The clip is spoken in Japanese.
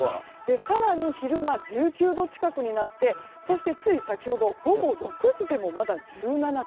更に昼間、１９度近くになってそしてつい先ほど午後６時でもまだ１７．６度。